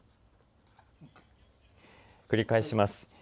繰り返します。